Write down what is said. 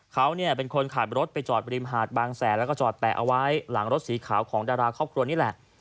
เขาเนี่ยเป็นคนขับรถไปจอดบริมหาดบางแสนแล้วก็จอดแปะเอาไว้หลังรถสีขาวของดาราครอบครัวนี่แหละ